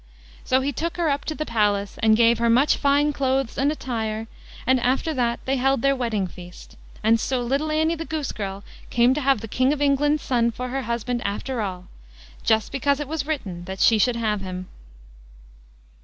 So he took her up to the palace, and gave her much fine clothes and attire, and after that they held their wedding feast; and so little Annie the goose girl came to have the king of England's son for her husband after all, just because it was written that she should have him.